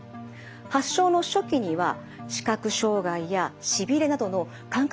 発症の初期には視覚障害やしびれなどの感覚